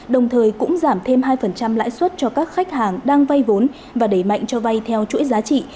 đồng thời cũng giảm thêm hai lãi suất cho các khách hàng đang vay vốn và đẩy mạnh cho vay theo chuỗi giá trị